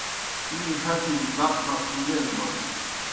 می ہتِجیْ بق بق لیل وتھوْ۔